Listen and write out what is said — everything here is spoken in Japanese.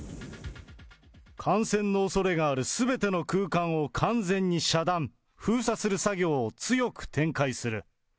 感染のおそれがあるすべての空間を完全に遮断、封鎖する作業を強く展開する。